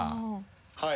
はい。